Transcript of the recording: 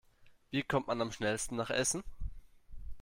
Wie kommt man am schnellsten nach Essen?